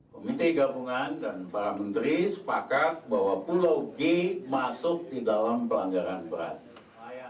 komite gabungan dan para menteri sepakat bahwa pulau g masuk di dalam pelanggaran berat